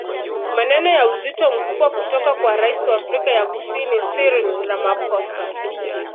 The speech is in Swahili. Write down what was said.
Maneno ya uzito mkubwa kutoka kwa Rais wa Afrika ya Kusini Cyril Ramaphosa